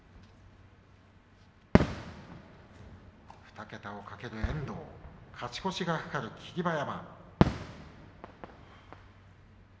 ２桁を懸ける遠藤勝ち越しが懸かる霧馬山。